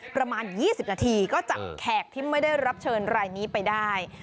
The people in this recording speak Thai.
ประมาณ๒๐นาทีก็จับแขกที่ไม่ได้รับเชิญรายนี้ไปได้